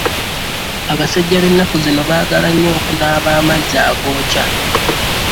Abasajja b'ennaku zino baagala nnyo okunaaba amazzi agookya.